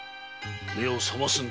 目を覚ますのだ。